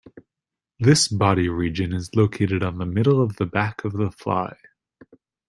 This body region is located on the middle of the back of the fly.